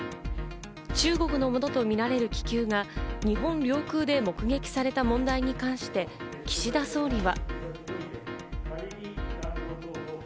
中国のものとみられる気球が日本領空で目撃された問題に関して岸田総理は。